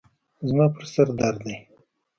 زما پر سر درد دی.